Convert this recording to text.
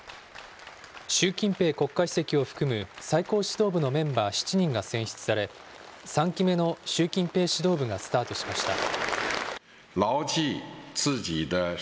習近平国家主席を含む最高指導部のメンバー７人が選出され、３期目の習近平指導部がスタートしました。